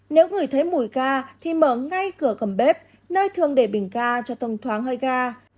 nếu người thấy mùi ga thì mở ngay cửa cầm bếp nơi thường để bình ga cho thông thoáng hơi ga